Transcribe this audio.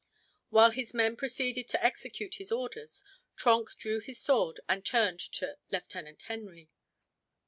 While his men proceeded to execute his orders, Trenck drew his sword and turned to Lieutenant Henry.